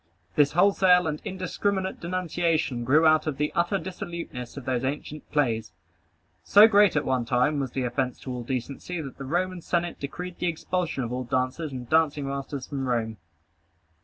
This wholesale and indiscriminate denunciation grew out of the utter dissoluteness of those ancient plays. So great at one time was the offence to all decency, that the Roman Senate decreed the expulsion of all dancers and dancing masters from Rome.